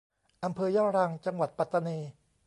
อำเภอยะรัง จังหวัดปัตตานี